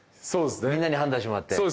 みんなに判断してもらって。